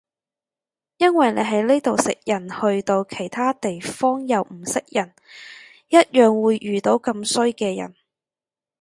因為你喺呢度食人去到其他地方又唔識人一樣會遇到咁衰嘅人